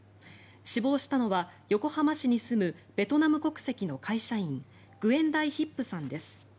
死亡したのは横浜市に住むベトナム国籍の会社員グエン・ダイ・ヒップさんです。